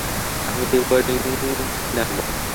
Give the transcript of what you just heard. আমি টিউবিং কিনে আনবো।